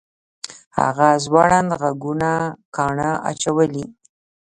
هغه ځوړند غوږونه کاڼه اچولي